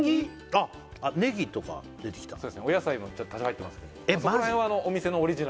あっねぎとか出てきたお野菜もちょっと入ってますえっマジ！？